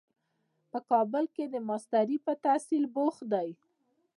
په کابل کې د ماسټرۍ په تحصیل بوخت دی.